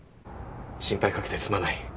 心配かけてすまない。